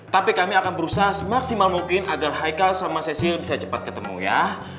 tapi kami akan berusaha semaksimal mungkin agar haikal sama cesil bisa cepat ketemu ya